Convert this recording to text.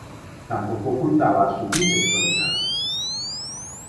Tampoco ocultaba su bisexualidad.